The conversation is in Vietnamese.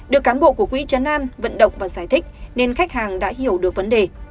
được cán bộ của quỹ chấn an vận động và giải thích nên khách hàng đã hiểu được vấn đề